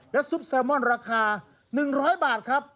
ซุปแซลมอนราคา๑๐๐บาทครับ